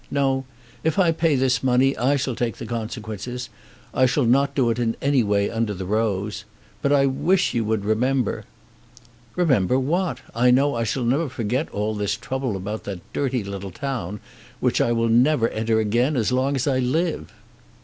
No; if I pay this money I shall take the consequences. I shall not do it in any way under the rose. But I wish you would remember " "Remember what? I know I shall never forget all this trouble about that dirty little town, which I never will enter again as long as I live."